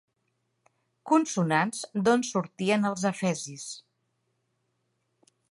Consonants d'on sortien els efesis.